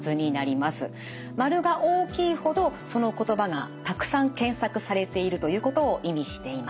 丸が大きいほどその言葉がたくさん検索されているということを意味しています。